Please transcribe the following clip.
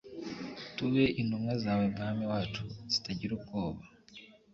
tube intumwa zawe, mwami wacu, zitagira ubwoba